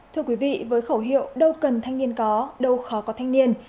thưa quý vị với khẩu hiệu đâu cần thanh niên có đâu khó có thanh niên